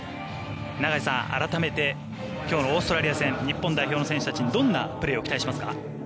永井さん、改めてきょうのオーストラリア戦日本代表の選手たちにどんなプレーを期待しますか？